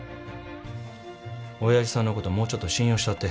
おやじさんのこともうちょっと信用したって。